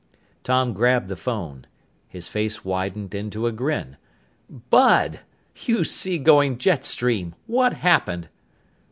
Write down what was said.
Tom grabbed the phone. His face widened into a grin. "Bud! You seagoing jet stream! What happened?"